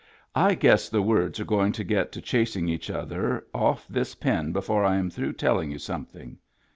I guess the words are going to get to chasing each other off this pen before I am through telling you something.